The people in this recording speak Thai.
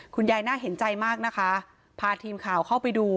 น่าเห็นใจมากนะคะพาทีมข่าวเข้าไปดู